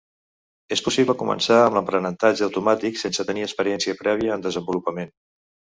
És possible començar amb l'aprenentatge automàtic sense tenir experiència prèvia en desenvolupament.